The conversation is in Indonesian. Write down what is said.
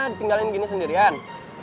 ditinggalin gini sendirian